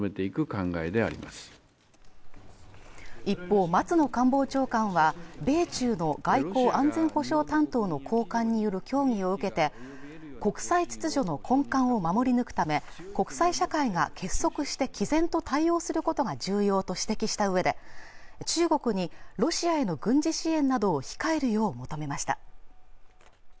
一方松野官房長官は米中の外交安全保障担当の高官による協議を受けて国際秩序の根幹を守り抜くため国際社会が結束して毅然と対応することが重要と指摘したうえで中国にロシアへの軍事支援などを控えるよう求めました